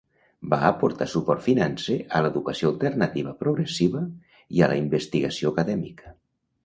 Va aportar suport financer a l'educació alternativa progressiva i a la investigació acadèmica.